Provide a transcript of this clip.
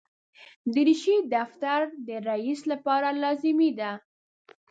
دریشي د دفتر د رئیس لپاره لازمي ده.